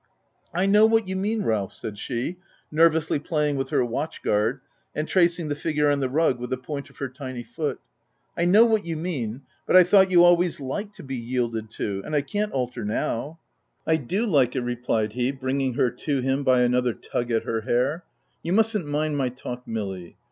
258 THE TENANT " I know what you mean, Ralph," said she, nervously playing with her watch guard and tracing the figure on the rug with the point of her tiny foot, " I know what you mean, but I thought you always liked to be yielded to ; and I can't alter now." " I do like it," replied he, bringing her to him by another tug at her hair. " You mustn't mind my talk Milly.